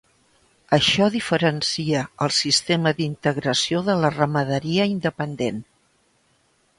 Això diferencia el sistema d'integració de la ramaderia independent.